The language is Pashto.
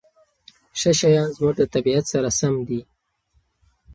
ښه شیان زموږ د طبیعت سره سم دي.